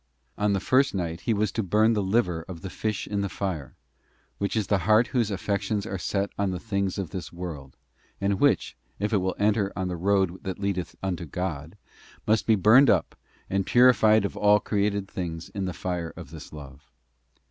'* On the first night he was to burn the liver of the fish in the fire, which is the heart whose affections are set on the things of this world, and which, if it will enter on the road that leadeth unto God, must be burned up, and purified of all created things in the fire of this love.